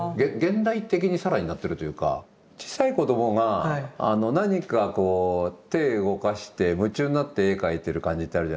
小さい子供が何かこう手ぇ動かして夢中になって絵描いてる感じってあるじゃないですか。